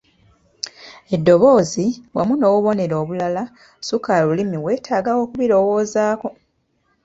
Eddoboozi wamu n’obunero obulala ssukkalulimi weetaaga okubirowoozaako.